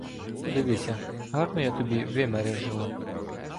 Подивися, гарну я тобі вимережила?